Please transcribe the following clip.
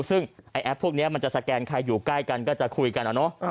ซึ่งไอ้แอปพวกนี้มันจะสแกนใครอยู่ใกล้กันก็จะคุยกันอะเนาะ